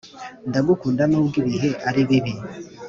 Ndakugunda nubwo ibihe aribibi